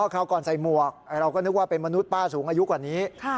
คราวก่อนใส่หมวกเราก็นึกว่าเป็นมนุษย์ป้าสูงอายุกว่านี้